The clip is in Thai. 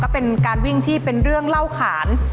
ก็เป็นการวิ่งที่เป็นเรื่องเล่าขาน